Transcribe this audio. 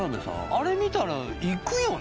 あれ見たら行くよね